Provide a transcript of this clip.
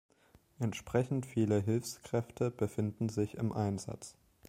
Entsprechend viele Hilfskräfte befinden sich im Einsatz.